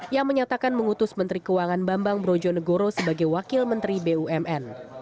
yang menyatakan mengutus menteri keuangan bambang brojonegoro sebagai wakil menteri bumn